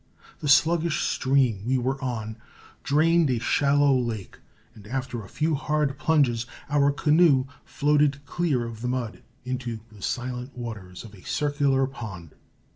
The sluggish stream we were on drained a shallow lake, and, after a few hard plunges, our canoe floated clear of the mud into the silent waters of a circular pond.